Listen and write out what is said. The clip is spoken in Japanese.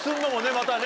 またね